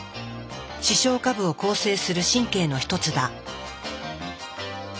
視床下部を構成する神経の一つだ。